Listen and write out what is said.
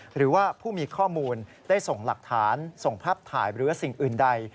หรือว่าผู้มีข้อมูลได้ส่งหลักฐานส่งภาพถ่ายหรือสิ่งอื่นใด